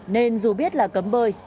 nên dù biết là cấm bơi